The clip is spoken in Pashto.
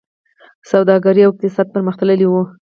سوداګري او اقتصاد پرمختللی و